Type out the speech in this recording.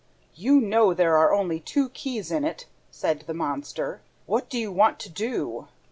"You know there are only two keys in it," said the monster. "What do you want to do?"